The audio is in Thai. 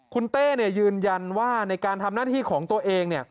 คุณเต้ยืนยันว่าในการทำหน้าที่ของตัวเอง